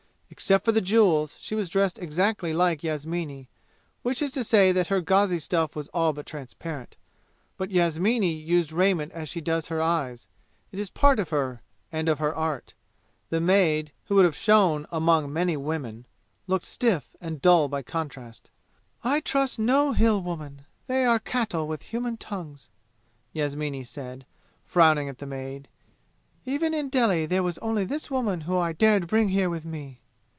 Except for the jewels, she was dressed exactly like Yasmini, which is to say that her gauzy stuff was all but transparent. But Yasmini uses raiment as she does her eyes; it is part of her, and of her art. The maid, who would have shone among many women, looked stiff and dull by contrast. "I trust no Hill woman they are cattle with human tongues," Yasmini said, frowning at the maid. "Even in Delhi there was only this one woman whom I dared bring here with me.